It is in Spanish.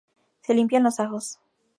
Se limpian los ajos